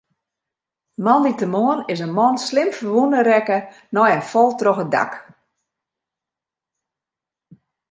Moandeitemoarn is in man slim ferwûne rekke nei in fal troch in dak.